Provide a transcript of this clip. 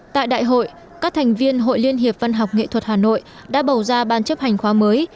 tại đại hội các thành viên hội liên hiệp văn học nghệ thuật hà nội đã bầu ra ban chấp hành khóa mới